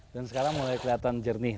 dan sekarang mulai kelihatan jernih